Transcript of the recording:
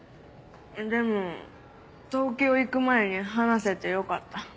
でも東京行く前に話せてよかった。